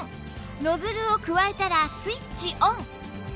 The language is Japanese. ノズルをくわえたらスイッチオン